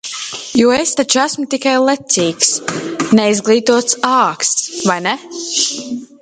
Jo es taču esmu tikai lecīgs, neizglītots āksts, vai ne?